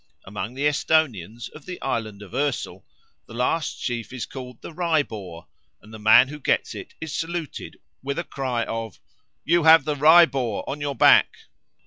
Amongst the Esthonians of the island of Oesel the last sheaf is called the Ryeboar, and the man who gets it is saluted with a cry of "You have the Rye boar on your back!"